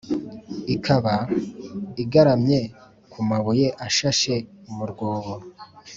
ikaba igaramye ku mabuye ashashe mu rwobo.